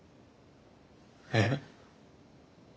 えっ。